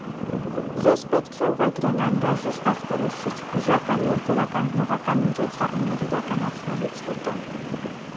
Ձեզ պետք է ուղեգրեն անհրաժեշտ ախտորոշիչ, բուժական և վերականգնողական միջոցառումներ իրականացնելուց հետո։